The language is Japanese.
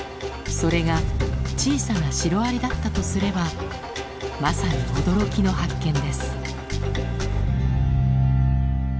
それが小さなシロアリだったとすればまさに驚きの発見です。